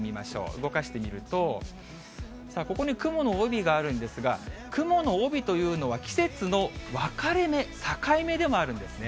動かしてみると、ここに雲の帯があるんですが、雲の帯というのは季節の分かれ目、境目でもあるんですね。